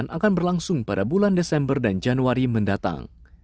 akan berlangsung pada bulan desember dan januari mendatang